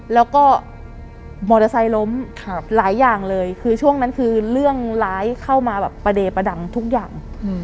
แล้วก็มอเตอร์ไซค์ล้มหลายอย่างเลยคือช่วงนั้นคือเรื่องร้ายเข้ามาแบบประเดประดังทุกอย่าง